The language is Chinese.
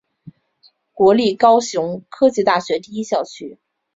国立高雄科技大学第一校区。